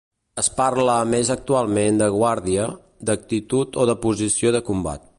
Es parla més actualment de guàrdia, d'actitud o de posició de combat.